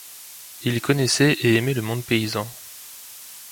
Il connaissait et aimait le monde paysan.